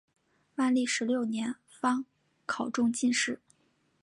万历十六年方考中进士。